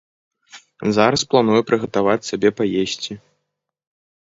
Зараз планую прыгатаваць сабе паесці.